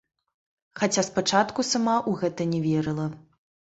Хаця спачатку сама ў гэта не верыла.